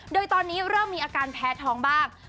โดยตอนนี้เริ่มมีอาการแพ้ท้องบ้าง